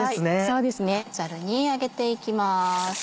そうですねザルに上げていきます。